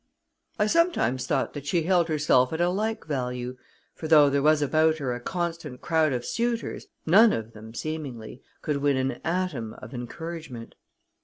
I sometimes thought that she held herself at a like value, for though there was about her a constant crowd of suitors, none of them, seemingly, could win an atom of encouragement.